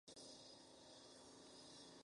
La acentuación es la anteriormente referida.